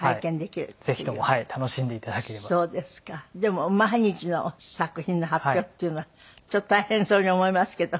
でも毎日の作品の発表っていうのはちょっと大変そうに思いますけど。